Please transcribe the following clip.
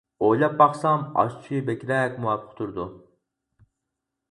ئويلاپ باقسام ئاش سۈيى بەكرەك مۇۋاپىق تۇرىدۇ.